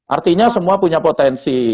artinya semua punya potensi